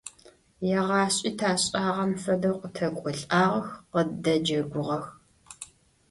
Егъашӏи ташӏагъэм фэдэу къытэкӏолӏагъэх, къыддэджэгугъэх.